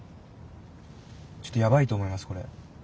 ちょっとやばいと思いますこれ。